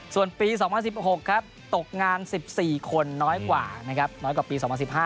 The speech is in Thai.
ส่วนปี๒๐๑๖ครับตกงาน๑๔คนน้อยกว่านะครับน้อยกว่าปี๒๐๑๕